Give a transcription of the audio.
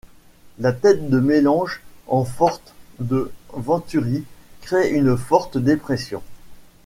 La tête de mélange en forme de venturi crée une forte dépression.